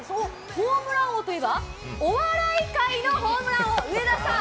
ホームラン王といえば、お笑い界のホームラン王、上田さん。